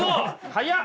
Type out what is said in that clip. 早っ。